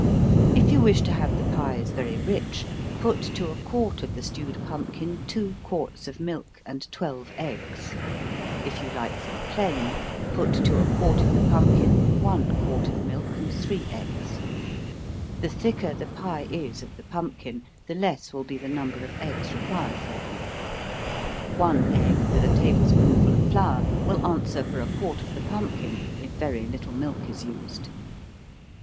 If you wish to have the pies very rich, put to a quart of the stewed pumpkin two quarts of milk, and twelve eggs. If you like them plain, put to a quart of the pumpkin one quart of milk, and three eggs. The thicker the pie is of the pumpkin, the less will be the number of eggs required for them. One egg, with a table spoonful of flour, will answer for a quart of the pumpkin, if very little milk is used.